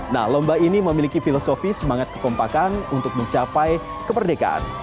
nah lomba ini memiliki filosofi semangat kekompakan untuk mencapai kemerdekaan